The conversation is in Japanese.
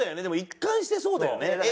でも一貫してそうだよね。